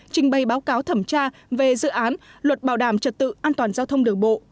trình bày báo cáo thẩm tra về dự án luật bảo đảm trật tự an toàn giao thông đường bộ